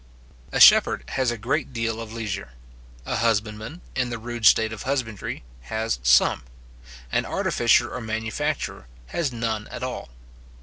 A shepherd has a great deal of leisure; a husbandman, in the rude state of husbandry, has some; an artificer or manufacturer has none at all.